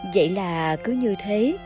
vậy là cứ như thế